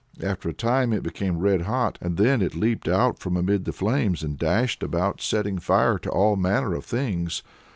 After a time it became red hot, and then it leaped out from amid the flames, and dashed about setting fire to all manner of things.